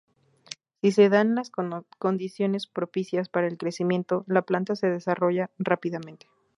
Si se dan las condiciones propicias para el crecimiento, la planta se desarrolla rápidamente.